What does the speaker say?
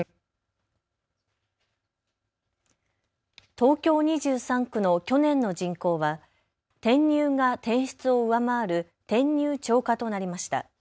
東京２３区の去年の人口は転入が転出を上回る転入超過となりました。